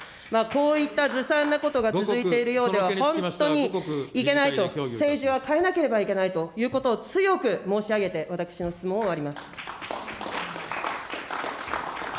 こういったずさんなことが続いているようでは、本当にいけないと、政治は変えなければいけないということを強く申し上げて、私の質問を終わります。